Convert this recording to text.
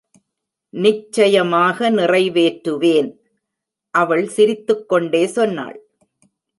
"நிச்சயமாக நிறைவேற்றுவேன்,"அவள் சிரித்துக் கொண்டே சொன்னாள்.